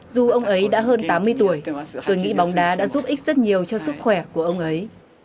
dù ông ấy đã hơn tám mươi tuổi tôi nghĩ bóng đá đã giúp ích rất nhiều cho sức khỏe của ông ấy